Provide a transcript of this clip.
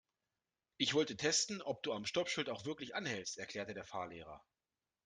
Ich wollte testen, ob du am Stoppschild auch wirklich anhältst, erklärte der Fahrlehrer.